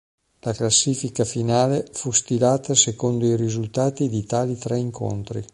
La classifica finale fu stilata secondo i risultati di tali tre incontri.